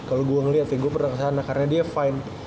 kalau gue ngeliat ya gue pernah kesana karena dia fine